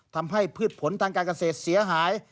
ทำให้พืชผลทางการเกษตรเสียหาย